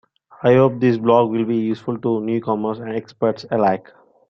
I hope this blog will be useful to newcomers and experts alike.